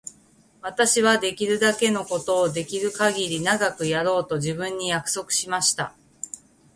私はできるだけのことをできるかぎり長くやろうと自分に約束しました。